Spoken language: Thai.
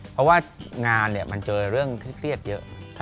เพราะว่างานมันเจอเรื่องเครียดเยอะ